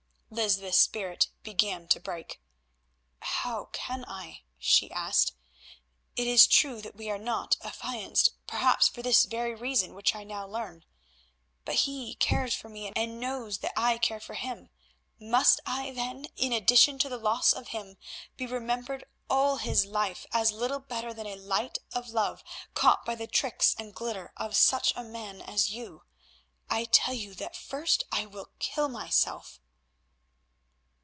Lysbeth's spirit began to break. "How can I?" she asked. "It is true that we are not affianced; perhaps for this very reason which I now learn. But he cares for me and knows that I care for him. Must I then, in addition to the loss of him, be remembered all his life as little better than a light of love caught by the tricks and glitter of such a man as you? I tell you that first I will kill myself."